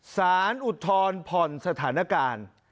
สารอุทธรผ่อนสถานการณ์